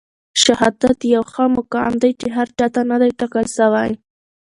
شهادت يو ښه مقام دی چي هر چاته نه دی ټاکل سوی.